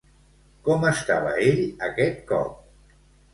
Com estava ell aquest cop?